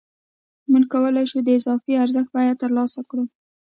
موږ کولای شو د اضافي ارزښت بیه ترلاسه کړو